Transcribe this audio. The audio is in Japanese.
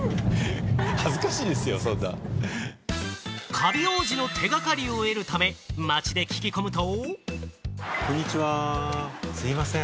カビ王子の手掛かりを得るため、街で聞き込むと。